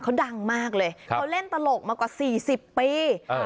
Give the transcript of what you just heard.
เขาดังมากเลยเขาเล่นตลกมากว่าสี่สิบปี